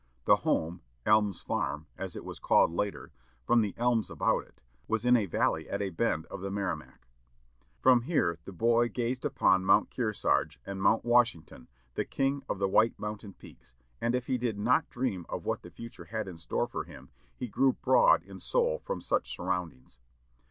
The home, "Elms Farm," as it was called later, from the elms about it, was in a valley at a bend of the Merrimac. From here the boy gazed upon Mount Kearsarge, and Mount Washington, the king of the White Mountain peaks, and if he did not dream of what the future had in store for him, he grew broad in soul from such surroundings.